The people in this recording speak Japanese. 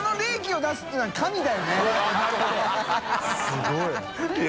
すごい。